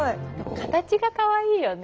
形がかわいいよね。